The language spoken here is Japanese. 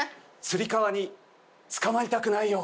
つり革につかまりたくないよ。